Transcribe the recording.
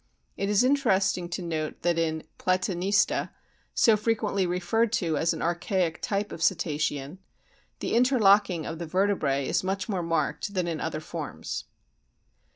It is interesting to note that in Ptatanista, so frequently referred to as an archaic type of Cetacean, the interlocking of the vertebrae is much more marked than in other forms.